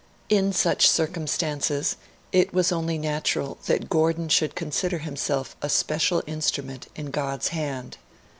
In such circumstances it was only natural that Gordon should consider himself a special instrument in God's band.